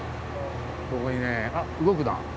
ここにねあ動くな。